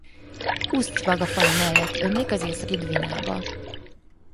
Uszty-Vaga falu mellett ömlik az Északi-Dvinába.